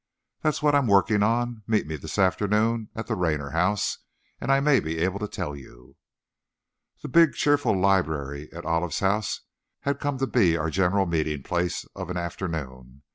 "That's what I'm working on. Meet me this afternoon at the Raynor house, and I may be able to tell you." The big, cheerful library at Olive's house had come to be our general meeting place of an afternoon.